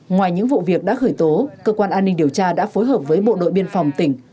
ngoài những vụ việc đã khởi tố cơ quan an ninh điều tra đã phối hợp với bộ đội biên phòng tỉnh